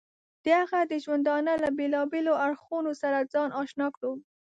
د هغه د ژوندانه له بېلابېلو اړخونو سره ځان اشنا کړو.